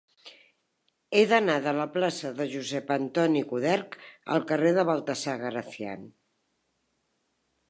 He d'anar de la plaça de Josep Antoni Coderch al carrer de Baltasar Gracián.